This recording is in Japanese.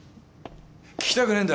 聞きたくないんだ？